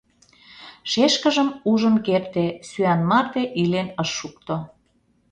Шешкыжым ужын керте — сӱан марте илен ыш шукто...